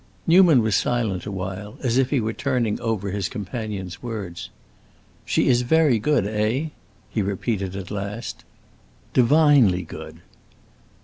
Newman was silent a while, as if he were turning over his companion's words. "She is very good, eh?" he repeated at last. "Divinely good!"